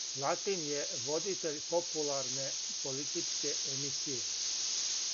Латин је водитељ популарне политичке емисије.